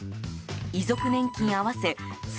遺族年金合わせ月